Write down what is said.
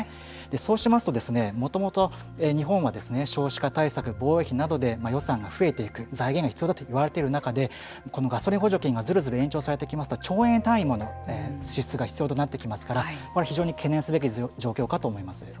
そうしますともともと日本は少子化対策防衛費などで予算が増えていく財源が必要だと言われてる中でこのガソリン補助金がずるずる延長されていきますと兆円単位の支出が必要になりますから非常に懸念すべき状況かと思います。